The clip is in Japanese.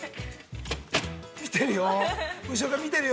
見てるよ。